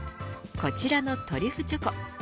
こちらのトリュフチョコ。